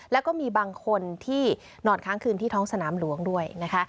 แล้วก็มีบางคนที่นอนค้างคืนที่ท้องสนามหลวงด้วยนะคะ